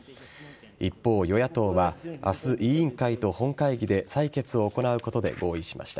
一方、与野党は明日、委員会と本会議で採決を行うことで合意しました。